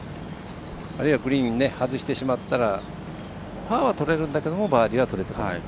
あるいはグリーン外してしまったらパーはとれるんだけどバーディーはとれてこない。